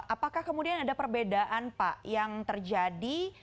apakah kemudian ada perbedaan pak yang terjadi